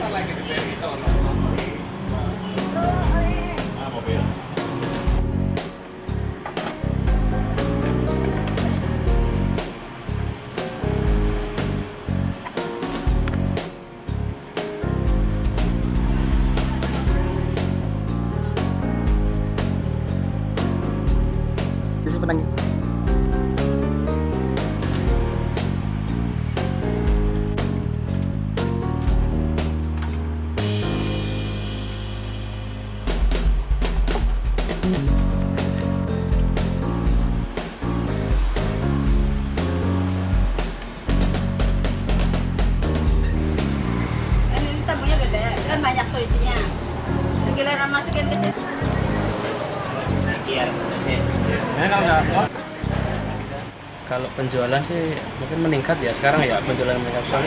lagi beralkan lagi di extrem bisa